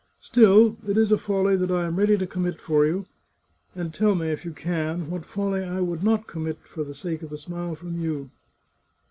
Still, it is a folly that I am ready to commit for you — and tell me, if you can, what folly I would not commit for the sake of a smile from you